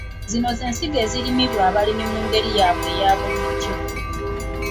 Zino ze nsigo ezirimibwa abalimi mu ngeri yaabwe eyabulijjo.